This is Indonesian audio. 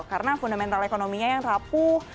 karena fundamental ekonominya yang rapuh